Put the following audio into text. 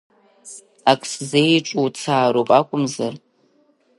Ак сзеиҿурцаароуп, акәымзар…